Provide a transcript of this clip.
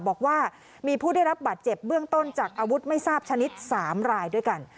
บอกว่ามีผู้ได้รับบาดเจ็บเบื้องต้นจากอาวุธไม่ทราบชนิด๓รายด้วยกัน